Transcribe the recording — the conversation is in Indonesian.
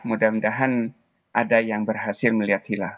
mudah mudahan ada yang berhasil melihat hilal